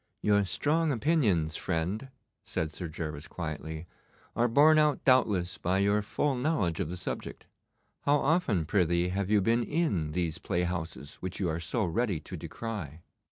'Your strong opinions, friend,' said Sir Gervas quietly, 'are borne out doubtless by your full knowledge of the subject. How often, prythee, have you been in these playhouses which you are so ready to decry?